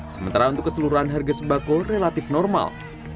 sementara untuk keseluruhan harga sembako relatif normal